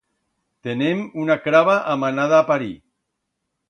Tenem una craba amanada a parir.